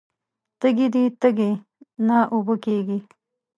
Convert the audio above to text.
تږې ده تږې نه اوبه کیږي